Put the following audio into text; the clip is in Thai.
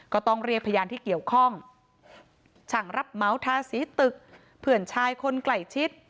ก็ต้องเรียกพยานที่เกี่ยวข้องช่างรับเหมาทาสีตึกเพื่อนชายคนใกล้ชิด